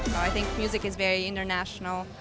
saya pikir musik itu sangat bahasa internasional